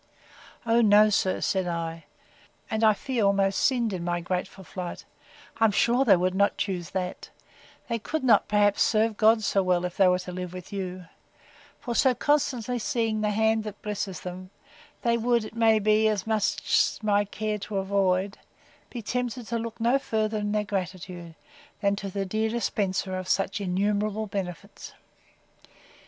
O no, sir, said I, (and I fear almost sinned in my grateful flight,) I am sure they would not choose that; they could not, perhaps, serve God so well if they were to live with you: For, so constantly seeing the hand that blesses them, they would, it may be, as must be my care to avoid, be tempted to look no further in their gratitude, than to the dear dispenser of such innumerable benefits.